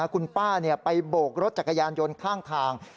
คุณป้าไปโบกรถจักรยานยนต์ข้างทาง